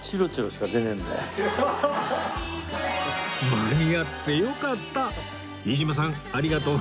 間に合ってよかった！